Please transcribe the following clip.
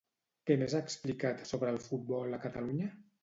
Què més ha explicat sobre el futbol a Catalunya?